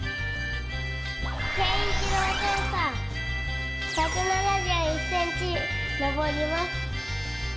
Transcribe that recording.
けんいちろうとうさん１７１センチのぼります。